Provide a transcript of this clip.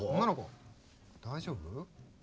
大丈夫？